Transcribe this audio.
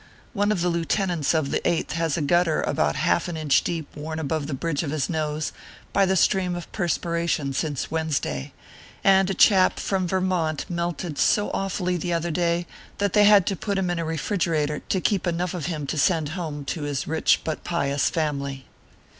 One of the lieutenants of the Eighth has a gutter about half an inch deep worn down the bridge of his nose by the stream of perspiration since Wednesday ; and a chap from Ver mont melted so awfully the other day, that they had to put him in a refrigerator to keep enough of him to send home to his rich but pious family.